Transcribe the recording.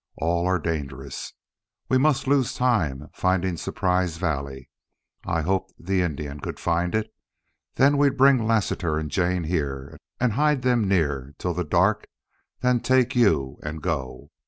All are dangerous. We must lose time finding Surprise Valley. I hoped the Indian could find it. Then we'd bring Lassiter and Jane here and hide them near till dark, then take you and go.